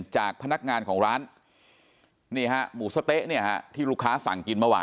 จากพนักงานของร้านนี่ฮะหมูสะเต๊ะเนี่ยฮะที่ลูกค้าสั่งกินเมื่อวาน